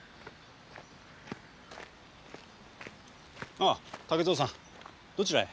ああ竹蔵さんどちらへ？